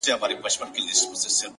• لېوه جوړي په ځنګله کي کړې رمباړي,